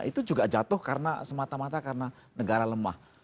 itu juga jatuh karena semata mata karena negara lemah